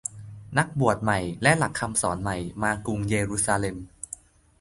นักบวชใหม่และหลักคำสอนใหม่มากรุงเยรูซาเล็ม